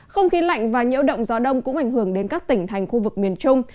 không khí lạnh và nhiễu động gió đông cũng ảnh hưởng đến các tỉnh thành khu vực miền trung